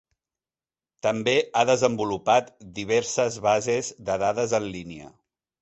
També ha desenvolupat diverses bases de dades en línia.